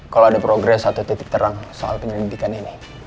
kalau ada progres atau titik terang soal penyelidikan ini